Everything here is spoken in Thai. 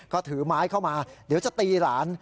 ก็ถือไม้เข้ามาเดี๋ยวจะตีหลาน